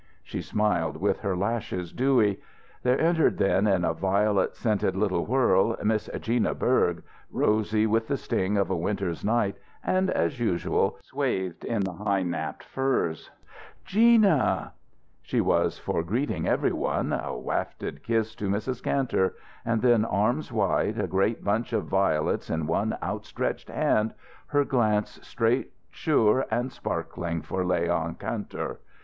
She smiled with her lashes dewy. There entered then, in a violet scented little whirl, Miss Gina Berg, rosy with the sting of a winter's night, and, as usual, swathed in the high napped furs. "Gina!" She was for greeting everyone, a wafted kiss to Mrs. Kantor, and then arms wide, a great bunch of violets in one outstretched hand, her glance straight sure and sparkling for Leon Kantor.